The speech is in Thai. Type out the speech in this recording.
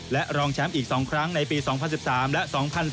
และรองแชมป์อีก๒ครั้งในปี๒๐๑๓และ๒๐๑๘